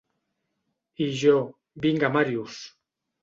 I jo, vinga Màrius.